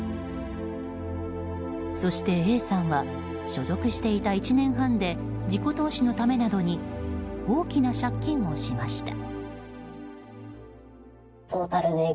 そして、Ａさんは所属していた１年半で自己投資のためなどに大きな借金をしました。